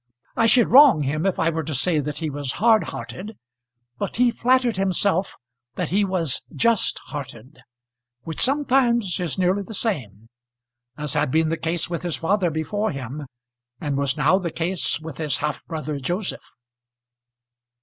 I should wrong him if I were to say that he was hard hearted, but he flattered himself that he was just hearted, which sometimes is nearly the same as had been the case with his father before him, and was now the case with his half brother Joseph.